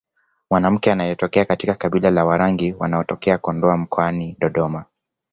Mwanamke anayetokea katika kabila la Warangi wanaotokea Kondoa mkoani Dodoma